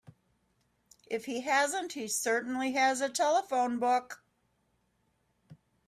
If he hasn't he certainly has a telephone book.